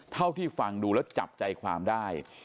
เท่าที่ฟังดูแล้วจับใจความได้